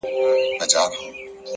دا رکم ـ رکم در پسې ژاړي-